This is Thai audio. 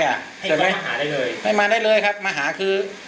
แต่ไม่หาได้เลยไม่มาได้เลยครับมาหาคือ